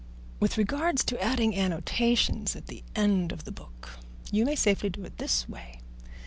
"With regard to adding annotations at the end of the book, you may safely do it in this way.